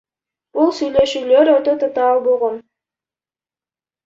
Бул сүйлөшүүлөр өтө татаал болгон.